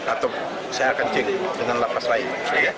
atau saya akan cek dengan lapas lain